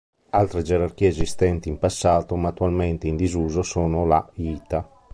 Altre gerarchie esistenti in passato, ma attualmente in disuso, sono la ita.